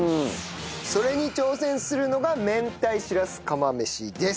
それに挑戦するのが明太しらす釜飯です。